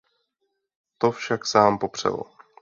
To však sám popřel.